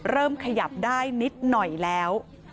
เริ่มขยับได้นิดหน่อยแล้ว